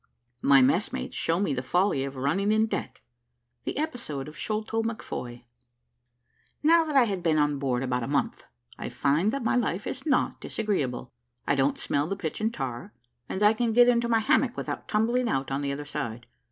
MY MESSMATES SHOW ME THE FOLLY OF RUNNING IN DEBT THE EPISODE OF SHOLTO MCFOY. Now that I have been on board about a month, I find that my life is not disagreeable. I don't smell the pitch and tar, and I can get into my hammock without tumbling out on the other side.